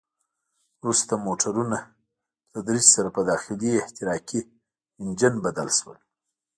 وروسته موټرونه په تدریج سره په داخلي احتراقي انجن بدل شول.